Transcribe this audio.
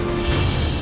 yang tujuh tahun lalu